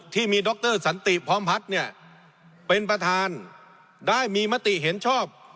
มีดรสันติพร้อมพัฒน์เนี่ยเป็นประธานได้มีมติเห็นชอบ